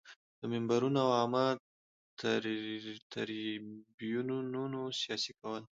د منبرونو او عامه تریبیونونو سیاسي کول.